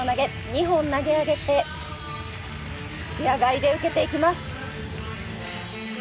２本投げ上げて視野外で受けていきます。